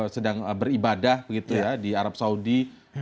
sedang beribadah begitu ya di arab saudi